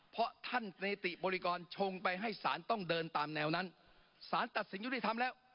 เพราะท่านเนติบริกรชงไปให้สารต้องเดินตามแนวนั้นสารตัดสินยุติธรรมแล้ว